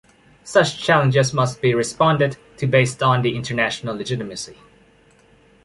Such challenges must be responded to based on the international legitimacy.